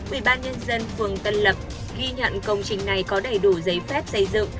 ủy ban nhân dân phường tân lập ghi nhận công trình này có đầy đủ giấy phép xây dựng